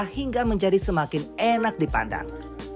hingga menjadi semakin enak dipandang